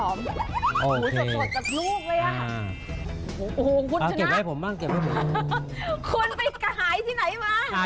โอ้โหคุณชนะเอาเก็บไว้ผมบ้างเก็บไว้ผมคุณไปหายที่ไหนมา